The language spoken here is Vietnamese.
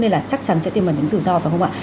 nên là chắc chắn sẽ tiêm ẩn những rủi ro phải không ạ